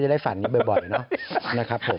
จะได้ฝันบ่อยนะครับผม